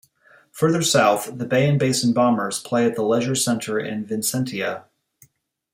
Further south, the Bay and Basin Bombers play at the Leisure Centre at Vincentia.